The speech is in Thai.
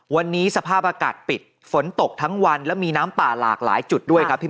วันนี้สภาพอากาศปิดฝนตกทั้งวันและมีน้ำป่าหลากหลายจุดด้วยครับพี่